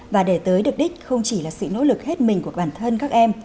và để tới được đích không chỉ là sự nỗ lực hết mình của bản thân các em